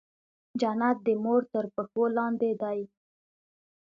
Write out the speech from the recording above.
جنت د مور تر پښو لاندې دی.